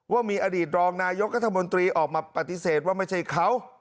ว่ามีอดีตรองนายกรัฐมนตรีออกมาปฏิเสธว่าไม่ใช่เขา